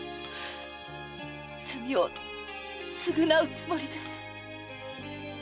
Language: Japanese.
罪を償うつもりです。